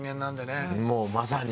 もうまさに。